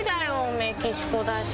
メキシコだし。